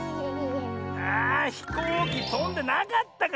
あひこうきとんでなかったか！